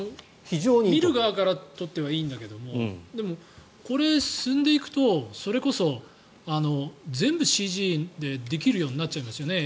見る側にとってはいいんだけどでも、これが進んでいくとそれこそ全部ＣＧでできるようになっちゃいますよね